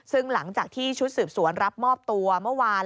ซึ่งหลังจากที่ชุดสืบสวนรับมอบตัวเมื่อวาน